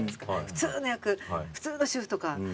普通の役普通の主婦とか普通の。